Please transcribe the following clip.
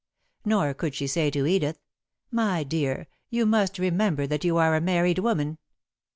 Nor could she say to Edith: "My dear, you must remember that you are a married woman."